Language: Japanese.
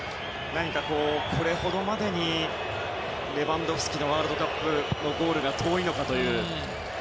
これほどまでにレバンドフスキのワールドカップのゴールが遠いのかという。